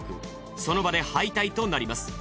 その場で敗退となります。